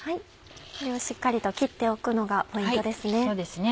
これをしっかりと切っておくのがポイントですね。